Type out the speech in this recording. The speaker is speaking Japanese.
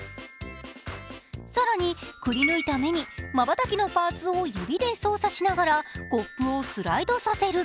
更に、くり抜いた目に、まばたきのパーツを指で操作しながらコップをスライドさせる。